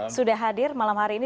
sudah hadir malam hari ini